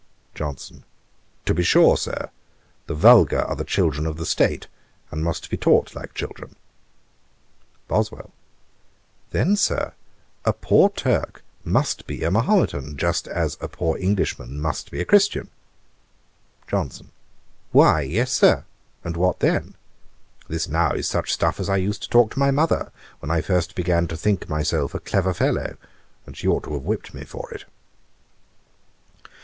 JOHNSON. 'To be sure, Sir. The vulgar are the children of the State, and must be taught like children.' BOSWELL. 'Then, Sir, a poor Turk must be a Mahometan, just as a poor Englishman must be a Christian?' JOHNSON. 'Why, yes, Sir; and what then? This now is such stuff as I used to talk to my mother, when I first began to think myself a clever fellow; and she ought to have whipt me for it.'